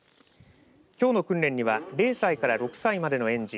きょうの訓練には０歳から６歳までの園児